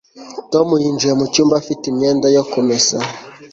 Tom yinjiye mu cyumba afite imyenda yo kumesa